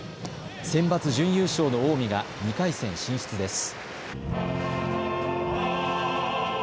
センバツ準優勝の近江が２回戦進出です。